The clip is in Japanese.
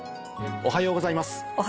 おはようございます。